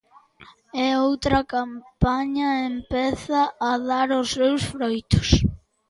E outra campaña empeza a dar os seus froitos.